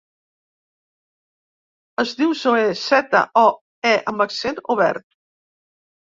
Es diu Zoè: zeta, o, e amb accent obert.